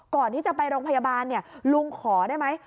ก่อนที่จะไปโรงพยาบาลลุงขอได้ไหม